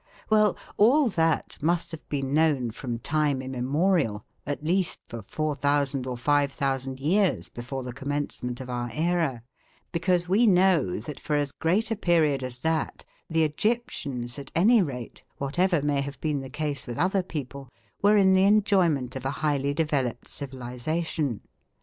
Well, all that must have been known from time immemorial at least for 4,000 or 5,000 years before the commencement of our era because we know that for as great a period as that the Egyptians, at any rate, whatever may have been the case with other people, were in the enjoyment of a highly developed civilisation.